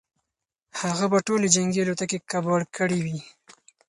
هغه به ټولې جنګي الوتکې کباړ کړې وي.